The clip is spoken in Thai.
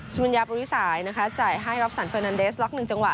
สุมัญญาปริสายนะคะจ่ายให้รับสันเฟอร์นันเดสล็อก๑จังหว